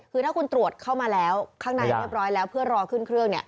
คือถ้าคุณตรวจเข้ามาแล้วข้างในเรียบร้อยแล้วเพื่อรอขึ้นเครื่อง